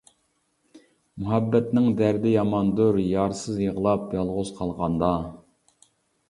مۇھەببەتنىڭ دەردى ياماندۇر، يارسىز يىغلاپ يالغۇز قالغاندا.